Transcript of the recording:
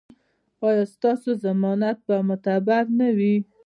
ایا ستاسو ضمانت به معتبر نه وي؟